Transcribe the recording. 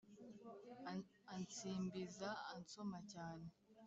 Ansimbiza ansoma cyane